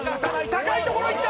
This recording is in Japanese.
高いところいった！